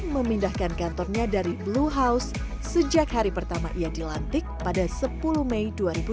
memindahkan kantornya dari blue house sejak hari pertama ia dilantik pada sepuluh mei dua ribu dua puluh